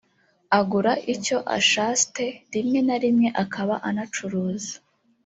agura icyo ashaste rimwe na rimwe akaba anacuruza